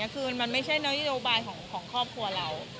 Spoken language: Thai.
คือมันไม่ใช่นโยบายของครอบครัวเรา